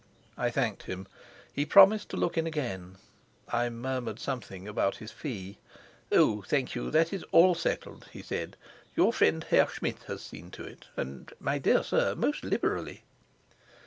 I thanked him; he promised to look in again; I murmured something about his fee. "Oh, thank you, that is all settled," he said. "Your friend Herr Schmidt has seen to it, and, my dear sir, most liberally."